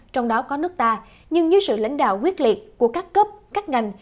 trong đó có nước ta nhưng dưới sự lãnh đạo quyết liệt của các cấp các ngành